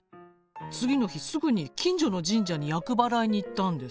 次の日すぐに近所の神社に厄払いに行ったんですって。